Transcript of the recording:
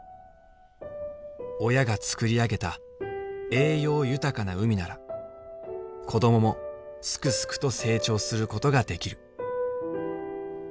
親がつくり上げた栄養豊かな海なら子供もすくすくと成長することができる。